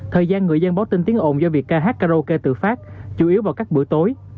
thời gian người dân báo tin tiếng ồn do việc kh karaoke tự phát chủ yếu vào các bữa tối